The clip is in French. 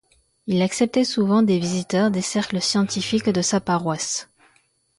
Il acceptait souvent des visiteurs des cercles scientifiques de sa paroisse.